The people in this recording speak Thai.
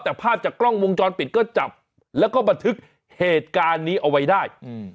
แต่ภาพจากกล้องวงจรปิดก็จับแล้วก็บันทึกเหตุการณ์นี้เอาไว้ได้